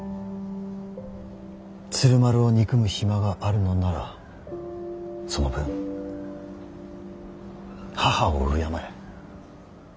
鶴丸を憎む暇があるのならその分母を敬え。